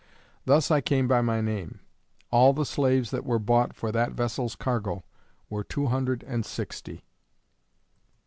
Thus I came by my name. All the slaves that were bought for that vessel's cargo, were two hundred and sixty.